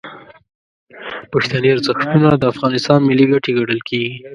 پښتني ارزښتونه د افغانستان ملي ګټې ګڼل کیږي.